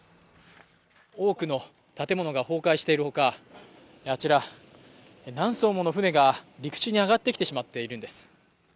多くの建物が崩壊しているほか、あちら何艘もの船が陸地に上がってきてしまっているんです。